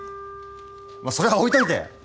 まあそれは置いといて。